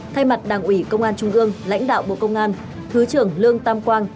thay mặt đảng ủy công an trung ương lãnh đạo bộ công an thứ trưởng lương tam quang